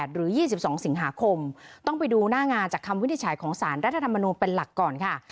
หรือ๒๒สิงหาคมต้องไปดูหน้างานจากคำวินิจฉัยของสารรัฐธรรมนูลเป็นหลักก่อนค่ะ